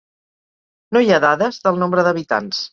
No hi ha dades del nombre d'habitants.